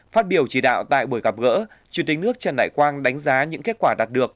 phát biểu chỉ đạo tại buổi gặp gỡ chủ tịch nước trần đại quang đánh giá những kết quả đạt được